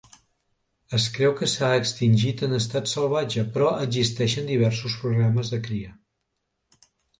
Es creu que s'ha extingit en estat salvatge, però existeixen diversos programes de cria.